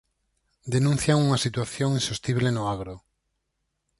Denuncian unha situación insostible no agro.